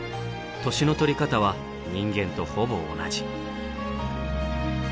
年の取り方は人間とほぼ同じ。